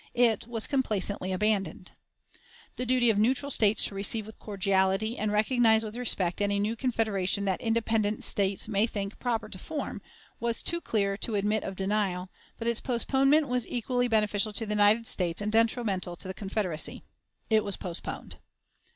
It was complaisantly abandoned. The duty of neutral states to receive with cordiality and recognize with respect any new confederation that independent states may think proper to form, was too clear to admit of denial, but its postponement was equally beneficial to the United States and detrimental to the Confederacy. It was postponed.